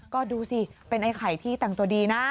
ก็ดูสิเป็นไอ้ไข่ที่แต่งตัวดีนะ